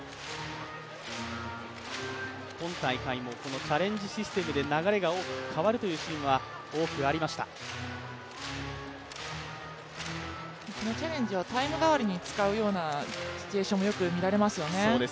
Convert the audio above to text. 今大会もチャレンジシステムで流れが変わるというシーンはチャレンジはタイム代わりに使うシチュエーションも多く見られますよね。